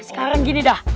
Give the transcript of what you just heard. sekarang gini dah